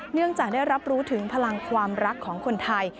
เนื่องจากได้รับรู้ถึงพลังความรักของคนไทย